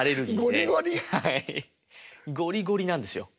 ゴリゴリなんですよ。